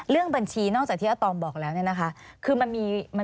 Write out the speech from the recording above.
เรื่องบัญชีนอกจากที่อัตอมบอกเรียนนะคะ